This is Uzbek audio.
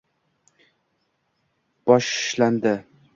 ... Boshshshlandi